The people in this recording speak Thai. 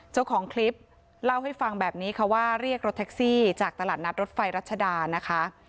เจ้าของคลิปเล่าให้ฟังแบบนี้ค่ะว่าเรียกรถแท็กซี่จากตลาดนัดรถไฟรัชดานะคะ